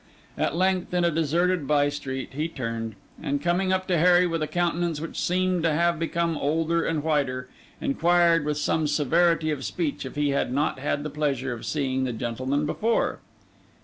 At length, in a deserted by street, he turned; and coming up to Harry with a countenance which seemed to have become older and whiter, inquired with some severity of speech if he had not had the pleasure of seeing the gentleman before.